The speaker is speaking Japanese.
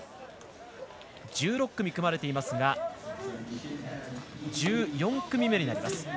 １６組組まれていますが１４組目になります。